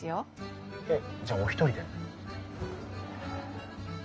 えっじゃあお一人で？